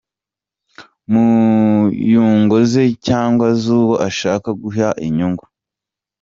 mu nyungu ze cyangwa z’uwo ashaka guha inyungu